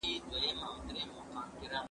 زه به سبا قلم استعمالوموم وم!؟